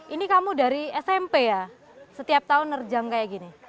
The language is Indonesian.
ini kamu dari smp ya setiap tahun nerjam kayak gini